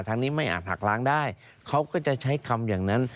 ทางนี้ไม่อาจหักล้างได้เขาก็จะใช้คำอย่างนั้น